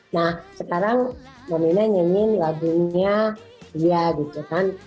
nah sekarang mama ina nyanyiin lagunya dia gitu kan